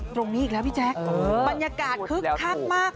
ตรงนี้อีกแล้วพี่แจ๊กบรรยากาศคึกทักมาก